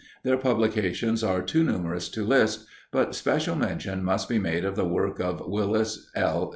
Their publications are too numerous to list, but special mention must be made of the work of Willis L.